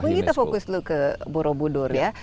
mungkin kita fokus dulu ke borobudur ya